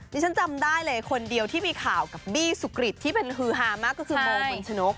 ฉันจำได้เลยคนเดียวที่มีข่าวกับบี้สุกริตที่เป็นฮือฮามากก็คือโมคนชนก